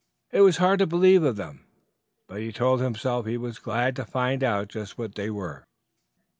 It was hard to believe of them, but he told himself he was glad to find out just what they were.